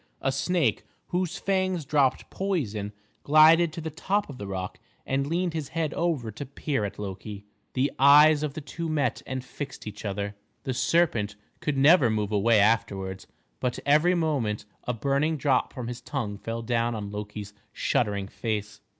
A snake, whose fangs dropped poison, glided to the top of the rock and leaned his head over to peer at Loki. The eyes of the two met and fixed each other. The serpent could never move away afterwards; but every moment a burning drop from his tongue fell down on Loki's shuddering face.